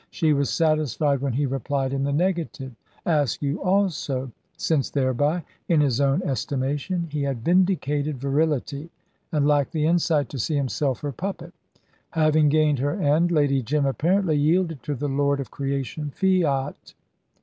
She was satisfied when he replied in the negative. Askew also, since thereby, in his own estimation, he had vindicated virility, and lacked the insight to see himself her puppet. Having gained her end, Lady Jim apparently yielded to the lord of creation fiat.